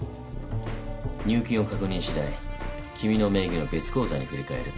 入金を確認しだい君の名義の別口座に振り替える。